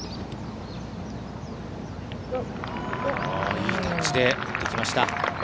いいタッチで打ってきました。